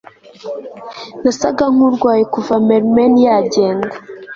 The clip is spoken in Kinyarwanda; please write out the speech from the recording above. nasaga nkurwaye kuva mermen yagenda